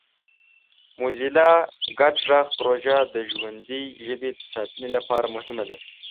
موزیلا ګډ غږ پروژه د ژوندۍ ژبې د ساتنې لپاره مهمه ده.